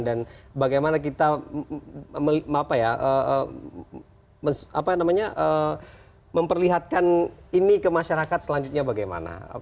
dan bagaimana kita memperlihatkan ini ke masyarakat selanjutnya bagaimana